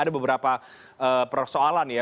ada beberapa persoalan ya